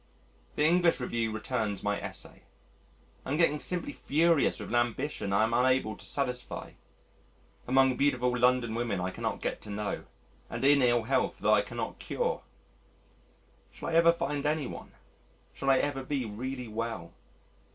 The English Review returns my Essay. I am getting simply furious with an ambition I am unable to satisfy, among beautiful London women I cannot get to know, and in ill health that I cannot cure. Shall I ever find any one? Shall I ever be really well?